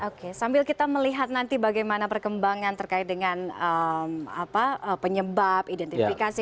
oke sambil kita melihat nanti bagaimana perkembangan terkait dengan penyebab identifikasi